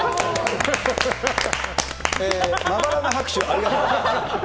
まばらな拍手、ありがとうございます。